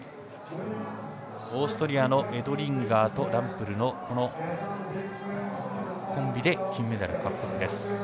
オーストリアのエドリンガーとランプルのコンビで金メダル獲得です。